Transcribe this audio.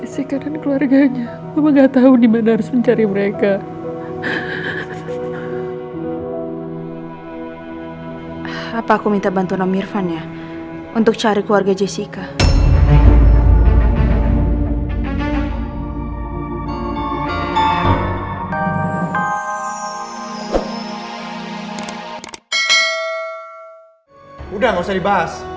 sampai jumpa di video selanjutnya